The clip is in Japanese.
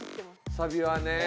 サビはね。